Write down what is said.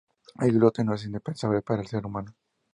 El gluten no es indispensable para el ser humano.